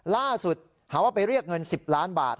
ล่าสุดหาว่าไปเรียกเงิน๑๐ล้านบาท